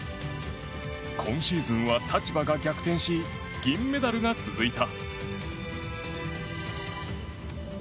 今シーズンは立場が逆転し銀メダルが続いた。